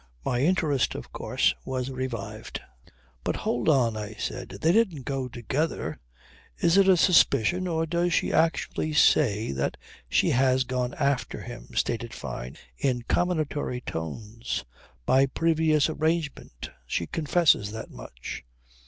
My interest of course was revived. "But hold on," I said. "They didn't go together. Is it a suspicion or does she actually say that ..." "She has gone after him," stated Fyne in comminatory tones. "By previous arrangement. She confesses that much."